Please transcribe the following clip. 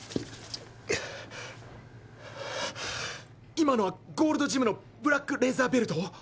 今のはゴールドジムのブラックレザーベルト？